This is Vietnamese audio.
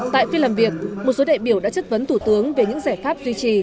tại phiên làm việc một số đại biểu đã chất vấn thủ tướng về những giải pháp duy trì